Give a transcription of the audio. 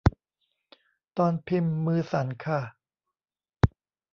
ตอนพิมพ์มือสั่นค่ะ